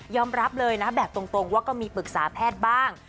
รับเลยนะแบบตรงว่าก็มีปรึกษาแพทย์บ้าง